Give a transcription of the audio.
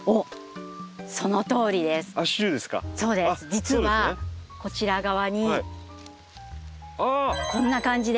実はこちら側にこんな感じで。